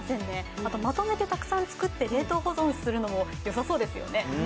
あとまとめてたくさん作って冷凍保存するのもよさそうですよね。